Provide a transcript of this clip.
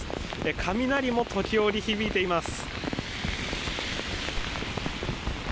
雷も時折、響いています。